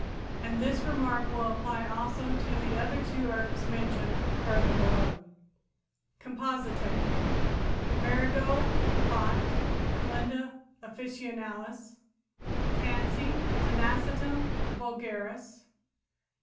And this remark will apply also to the other two herbs mentioned further below. COMPOSITÆ Marigold, Pot (Calendula officinalis, Linn.). Tansy (Tanacetum vulgaris, Linn.).